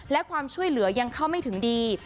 และความช่วยเหลือยังเข้าไม่ถึงดี